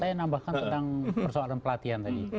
saya nambahkan tentang persoalan pelatihan tadi